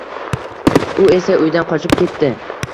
U esa uydan qochib ketdi